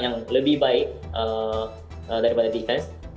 saya juga menarik dari thailand